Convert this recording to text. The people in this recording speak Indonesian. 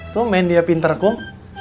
tuh men dia pintar kum